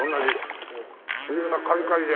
上がカリカリで。